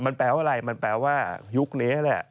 มันแปลว่าอะไรมันแปลว่ายุคนี้แหละ